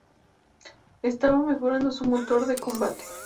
Estaba mejorando su motor de combate.